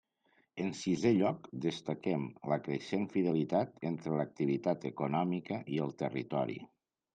En sisé lloc, destaquem la creixent fidelitat entre l'activitat econòmica i el territori.